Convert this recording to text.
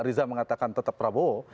pak reza mengatakan tetap prabowo